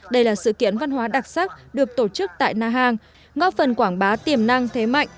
đây là sự kiện văn hóa đặc sắc được tổ chức tại na hàng ngóp phần quảng bá tiềm năng thế mạnh